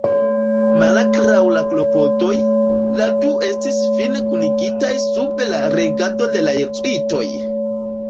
Malgraŭ la klopodoj, la du estis fine kunigitaj sub la regado de la jezuitoj.